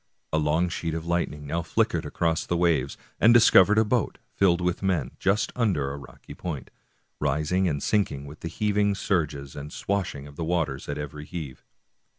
A long sheet of lightning now flickered across the waves, and discovered a boat, filled with men, just under a rocky point, rising and sinking with the heaving surges, and swash ing the waters at every heave.